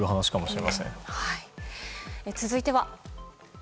続いては。